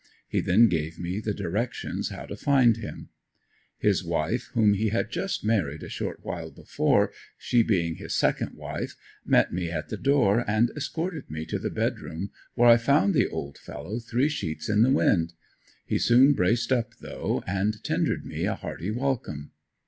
He then gave me the directions how to find him. His wife, whom he had just married a short while before, she being his second wife, met me at the door and escorted me to the bed room where I found the old fellow three sheets in the wind. He soon braced up though and tendered me a hearty welcome.